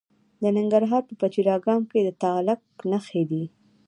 د ننګرهار په پچیر اګام کې د تالک نښې دي.